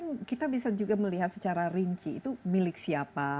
mungkin kita bisa juga melihat secara rinci itu milik siapa